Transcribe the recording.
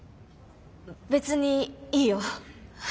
別にいいよ。